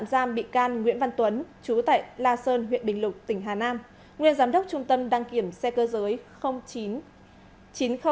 công an bị can nguyễn văn tuấn chú tại la sơn huyện bình lục tỉnh hà nam nguyên giám đốc trung tâm đăng kiểm xe cơ giới chín trăm linh hai d